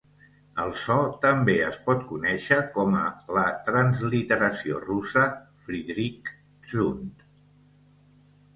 El so també es pot conèixer com a la transliteració russa Fridrikhe Zund.